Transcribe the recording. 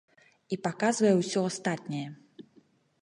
І паказвае ўсё астатняе.